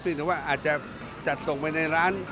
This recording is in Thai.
แต่ว่าอาจจะจัดส่งไปในร้าน